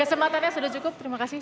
kesempatannya sudah cukup terima kasih